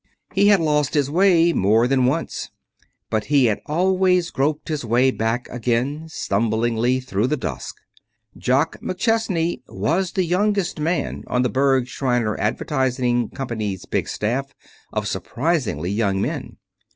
He had lost his way more than once. But he had always groped his way back again, stumblingly, through the dusk. Jock McChesney was the youngest man on the Berg, Shriner Advertising Company's big staff of surprisingly young men.